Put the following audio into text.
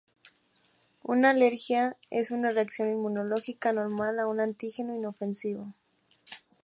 Una alergia es una reacción inmunológica anormal a un antígeno inofensivo.